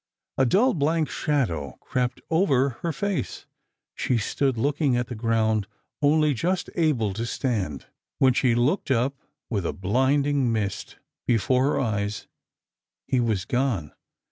A dull blank shadow crept over her face ; she stood looking at the ground only just able to stand. When she looked up, with a blmding mist before her eyes, he was gone.